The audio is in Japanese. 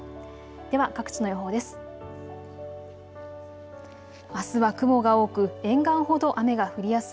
では各地の予報です。